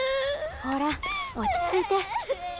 ほら落ち着いて。